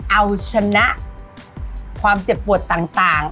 เอาชนะความเจ็บปวดต่าง